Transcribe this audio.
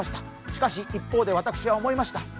しかし一方で私は思いました。